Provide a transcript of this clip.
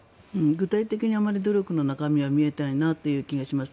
具体的にあまり努力の中身は見えていない気がしています。